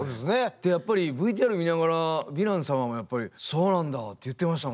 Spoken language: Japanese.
でやっぱりＶＴＲ見ながらヴィラン様もやっぱり「そうなんだ」って言ってましたもんね。